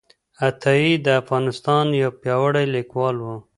عطايي د افغانستان یو پیاوړی لیکوال و.